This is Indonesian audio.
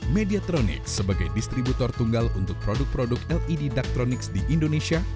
mediatronik sebagai distributor tunggal untuk produk produk led daktronics di indonesia